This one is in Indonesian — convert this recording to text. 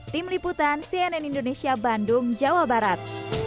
tim liputan cnn indonesia bandung jawa barat